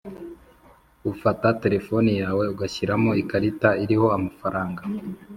ufata telefoni yawe ugashiramo ikarita iriho amafaranga